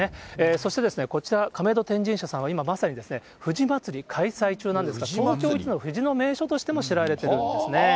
そしてですね、こちら、亀戸天神社さんは今まさに藤まつり開催中なんですが、東京一の藤の名所としても知られているんですね。